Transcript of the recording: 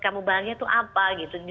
kamu bahagia itu apa